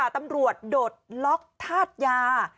ตำรวจโดดล็อกธาตุยา